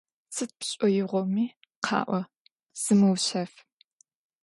Сыд пшӏоигъоми къаӏо, зымыушъэф.